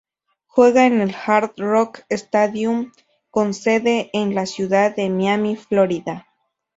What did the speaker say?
Juegan en el Hard Rock Stadium con sede en la ciudad de Miami, Florida.